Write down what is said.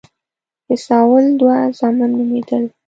د ساول دوه زامن نومېدل.